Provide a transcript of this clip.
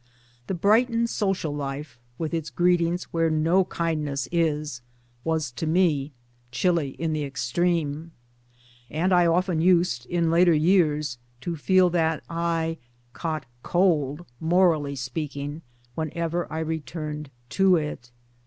The Brighton social life with its greetings where no kindness is was to me chilly in the extreme, and I often used in later years to feel that I " caught cold " (morally speaking) whenever I returned to it.